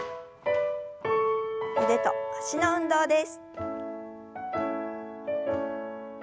腕と脚の運動です。